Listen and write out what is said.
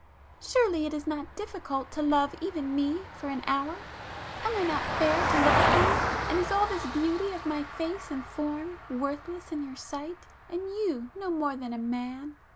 Surely it is not difficult to love even me for an hour?—am I not fair to look upon?—and is all this beauty of my face and form worthless in your sight, and you no more than man?